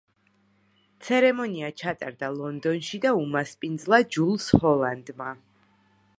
ცერემონია ჩატარდა ლონდონში და უმასპინძლა ჯულს ჰოლანდმა.